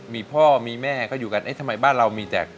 มีพ่อมีแม่ก็อยู่กันเอ๊ะทำไมบ้านเรามีแต่